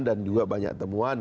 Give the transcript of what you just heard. dan juga banyak temuan